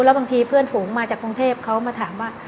แล้วบางทีเพื่อนฝูงมาจากกรุงเทพเขามาถามว่า